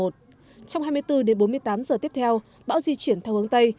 trong hai mươi bốn đến bốn mươi tám giờ tiếp theo bão di chuyển theo hướng tây